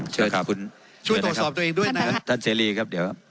เชิญคุณช่วยตรวจสอบตัวเองด้วยนะครับท่านเสรีครับเดี๋ยว